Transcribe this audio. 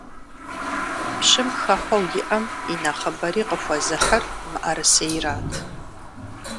Пщым хэхъуэу иӀэм и нэхъыбэри къыхуэзыхьыр мыӀэрысейрат.